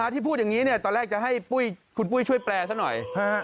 ที่พูดอย่างนี้ตอนแรกจะให้คุณปุ้ยช่วยแปลซะหน่อย